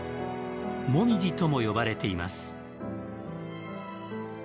モミジとも呼ばれています。